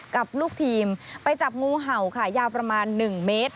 กับลูกทีมไปจับงูเห่าค่ะยาวประมาณ๑เมตร